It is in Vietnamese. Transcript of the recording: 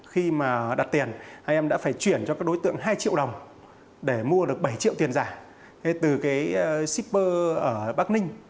khi mà đặt tiền hai em đã phải chuyển cho các đối tượng hai triệu đồng để mua được bảy triệu tiền giả từ cái shipper ở bắc ninh